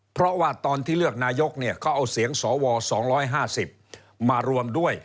เพราะว่าตอนที่เลือกนายกเนี่ยเขาเอาเสียงสว๒๕๐มารวมด้วย